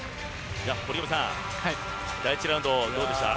堀米さん、第１ラウンドどうでしたか？